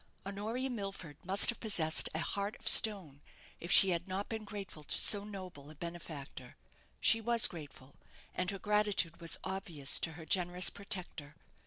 Honoria Milford must have possessed a heart of stone, if she had not been grateful to so noble a benefactor. She was grateful, and her gratitude was obvious to her generous protector.